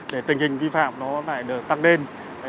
để tình hình vi phạm nó lại được tăng lên